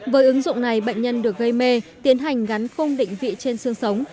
với ứng dụng này bệnh nhân được gây mê tiến hành gắn khung định vị trên xương sống